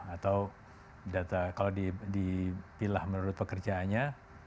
atau kalau dipilah menurut pekerjaannya